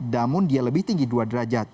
namun dia lebih tinggi dua derajat